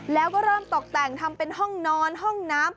แล้วก็เริ่มตกแต่งทำเป็นห้องนอนห้องน้ำ